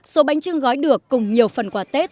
số bánh trưng gói được cùng nhiều phần quà tết